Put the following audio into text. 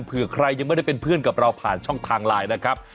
เผื่อใครยังไม่ได้เป็นเพื่อนกับเราผ่านช่องทางไลน์นะครับ